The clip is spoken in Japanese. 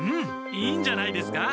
いいんじゃないですか。